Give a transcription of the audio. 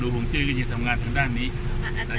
ตอนนี้ไม่ต้องปรับอะไรเพิ่ม